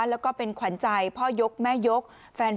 แล้วก็เป็นขวัญใจพ่อยกแม่ยกแฟน